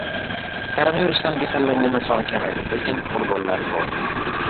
Koronavirusdan kasallanganlar soni kamaydi, lekin qurbonlar bor